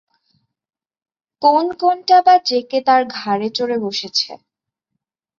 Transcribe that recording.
কোন কোনটা বা জেঁকে তার ঘাড়ে চড়ে বসছে।